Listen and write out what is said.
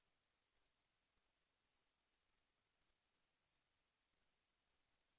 แสวได้ไงของเราก็เชียนนักอยู่ค่ะเป็นผู้ร่วมงานที่ดีมาก